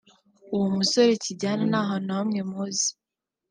uwo musore Kijyana nta hantu na hamwe muzi